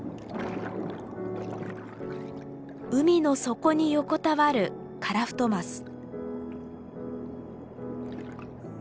海の底に横たわるカラフトマス。